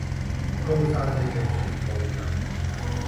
吿晒你哋全部人！